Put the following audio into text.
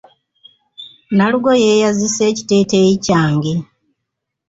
Nalugo yeeyazise ekiteeteeyi kyange.